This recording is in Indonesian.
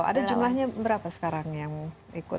ada jumlahnya berapa sekarang yang ikut